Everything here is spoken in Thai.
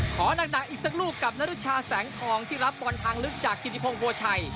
หนักอีกสักลูกกับนรุชาแสงทองที่รับบอลทางลึกจากธิติพงศ์บัวชัย